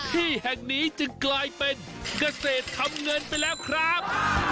ที่แห่งนี้จึงกลายเป็นเกษตรทำเงินไปแล้วครับ